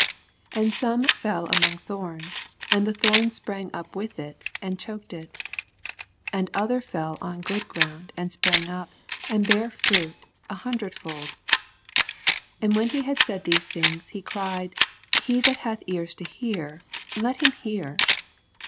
7 And some fell among thorns ; and the thorns sprang up with it, and choked it. 8 And other fell on good ground, and sprang up, and bare iruit an hundredfold, ^d when he had said these things, he cried. He that hath ears to hear, let him hear.